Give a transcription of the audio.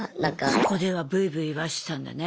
そこではブイブイ言わせてたんだね。